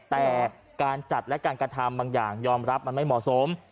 แต่การจัดและการกระทำบางอย่างยอมรับมันไม่เหมาะสม